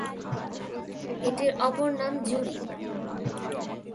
এটির অপর নাম "জুড়ি"।